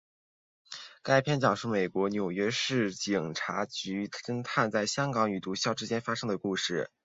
该片讲述美国纽约市警察局警探在香港与毒枭之间发生的故事。